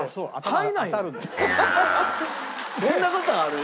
そんな事ある？